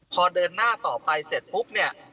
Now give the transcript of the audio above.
พอเดินหน้าต่อไปเสร็จปุ๊บเนี่ย